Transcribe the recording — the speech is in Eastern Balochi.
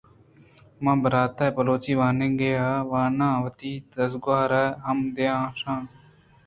من برات ءِ بلوچی وانگیاں وانان ءُ وتی دزگْوھاراں ھم دے آن اش۔